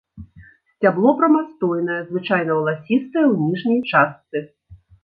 Сцябло прамастойнае, звычайна валасістае ў ніжняй частцы.